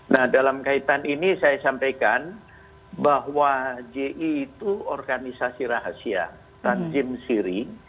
nah dalam kaitan ini saya sampaikan bahwa ji itu organisasi rahasia dan jim siri